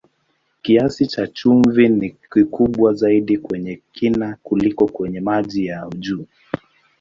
Kiasi cha chumvi ni kikubwa zaidi kwenye kina kuliko kwenye maji ya juu.